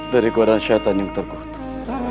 dari keadaan syaitan yang terkutuk